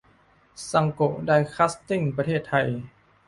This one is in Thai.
ซังโกะ ไดคาซติ้ง ประเทศไทย